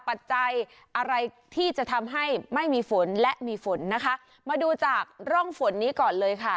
ปัจจัยอะไรที่จะทำให้ไม่มีฝนและมีฝนนะคะมาดูจากร่องฝนนี้ก่อนเลยค่ะ